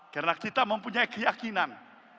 karena kita mempunyai keyakinan